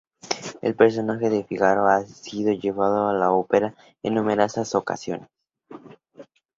El personaje de Fígaro ha sido llevado a la ópera en numerosas ocasiones.